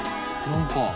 何か。